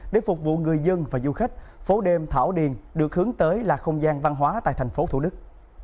để phục vụ người dân và du khách phố đêm thảo điền được hướng tới là không gian văn hóa tại thành phố thủ đức